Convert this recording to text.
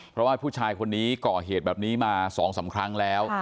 เพราะว่าผู้ชายคนนี้ก่อเหตุแบบนี้มา๒๓ครั้งแล้ว